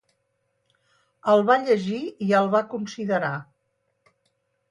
El va llegir i el va considerar.